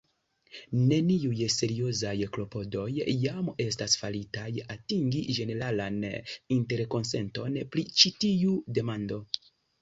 Neniuj seriozaj klopodoj jam estas faritaj atingi ĝeneralan interkonsenton pri ĉi tiu demando.